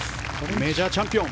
メジャーチャンピオン。